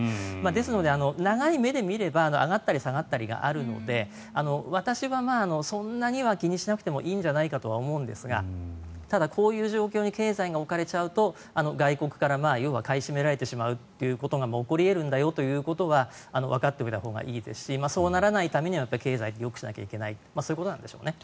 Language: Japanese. ですので、長い目で見れば上がったり下がったりがあるので私はそんなには気にしなくてもいいんじゃないかとは思うんですがただ、こういう状況に経済が置かれちゃうと外国から買い占められてしまうということが起こり得るんだよということはわかっておいたほうがいいですしそうならないためには経済をよくしないといけないそういうことなんでしょうね。